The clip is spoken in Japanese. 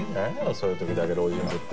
そういう時だけ老人ぶって。